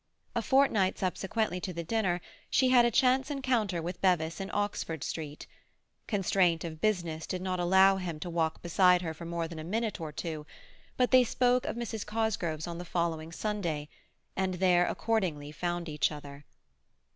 A fortnight subsequently to the dinner she had a chance encounter with Bevis in Oxford Street; constraint of business did not allow him to walk beside her for more than a minute or two, but they spoke of Mrs. Cosgrove's on the following Sunday, and there, accordingly, found each other.